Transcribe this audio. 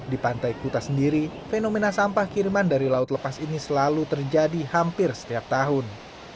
di pantai kuta sendiri fenomena sampah kiriman dari laut lepas ini selalu terjadi hampir setiap tahun